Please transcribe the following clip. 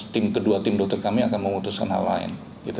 tim kedua tim dokter kami akan memutuskan hal lain